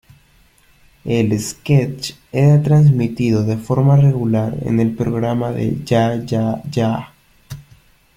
El sketch era transmitido de forma regular en el programa de Ya-Ya-Yah.